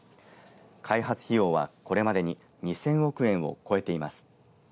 開発費用は、これまでに２０００億円を超えています。